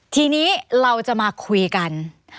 ทีนี้เราจะมาคุยกัน